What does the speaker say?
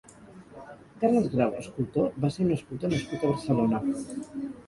Carles Grau (escultor) va ser un escultor nascut a Barcelona.